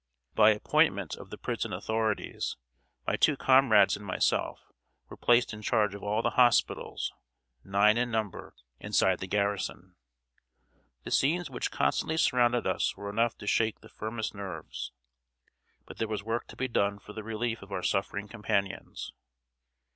By appointment of the prison authorities, my two comrades and myself were placed in charge of all the hospitals, nine in number, inside the garrison. The scenes which constantly surrounded us were enough to shake the firmest nerves; but there was work to be done for the relief of our suffering companions.